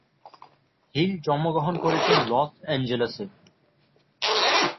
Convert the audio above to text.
Hill জন্মগ্রহণ করেছেন লস অ্যাঞ্জেলেসে।